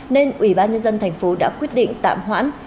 nên ubnd tp đã quyết định tạm hoãn